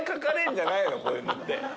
こういうのって。